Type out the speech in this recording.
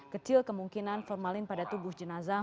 kecil kemungkinan formalin pada tubuh jenazah